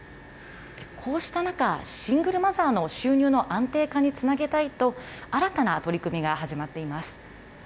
こうした中、シングルマザーの収入の安定化につなげたいと、新たな取り組みが始まっています。